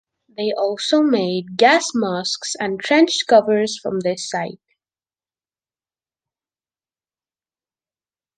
They also made gas masks and trench covers from this site.